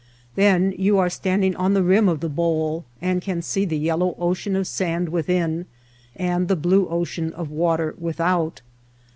Then you are standing on the Kim of the Bowl and can see the yellow ocean of sand within and the blue ocean of water without.